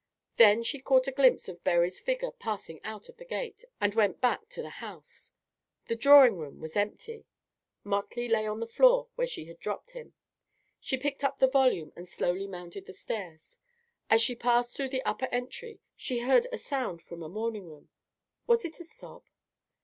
Then she caught a glimpse of Berry's figure passing out of the gate, and went back to the house. The drawing room was empty. Motley lay on the floor where she had dropped him. She picked up the volume, and slowly mounted the stairs. As she passed through the upper entry she heard a sound from the morning room; was it a sob?